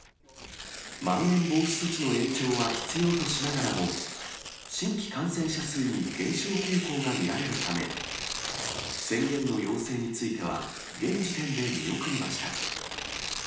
まん延防止措置の延長は必要としながらも、新規感染者数に減少傾向が見られるため、宣言の要請については、現時点で見送りました。